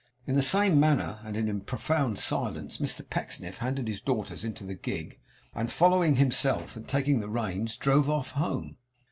In the same manner, and in profound silence, Mr Pecksniff handed his daughters into the gig; and following himself and taking the reins, drove off home.